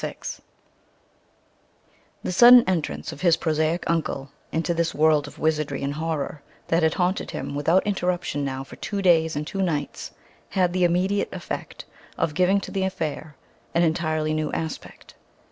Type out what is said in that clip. VI The sudden entrance of his prosaic uncle into this world of wizardry and horror that had haunted him without interruption now for two days and two nights, had the immediate effect of giving to the affair an entirely new aspect.